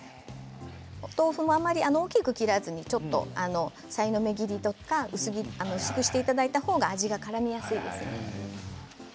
お豆腐もあまり大きく切らずにさいの目切りとか薄くしていただいたほうが味がからみやすいです。